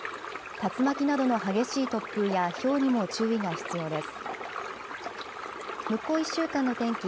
竜巻などの激しい突風やひょうにも注意が必要です。